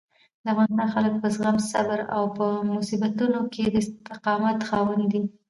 د افغانستان خلک په زغم، صبر او په مصیبتونو کې د استقامت خاوندان دي.